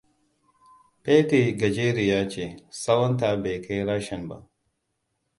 Patty gajeriya ce tsawonta bai kai reshen ba.